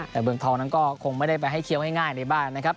แต่เมืองทองนั้นก็คงไม่ได้ไปให้เคี้ยวง่ายในบ้านนะครับ